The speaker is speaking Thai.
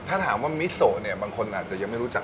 ถ้าถามว่ามิโซเนี่ยบางคนอาจจะยังไม่รู้จัก